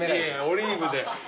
オリーブで。